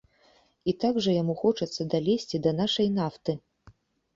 І так жа яму хочацца далезці да нашай нафты.